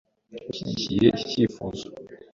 Ushyigikiye iki cyifuzo?